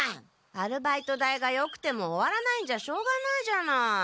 アルバイト代がよくても終わらないんじゃしょうがないじゃない。